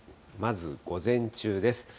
まず午前中です。